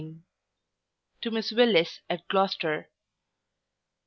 To Miss WILLIS at Gloucester.